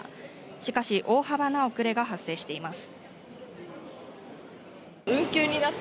しかし、大幅な遅れが発生しています。